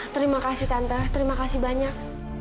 terima kasih tante terima kasih banyak